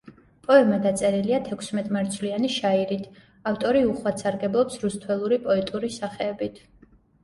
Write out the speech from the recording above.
პოემა დაწერილია თექვსმეტმარცვლიანი შაირით, ავტორი უხვად სარგებლობს რუსთველური პოეტური სახეებით.